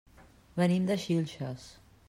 Venim de Xilxes.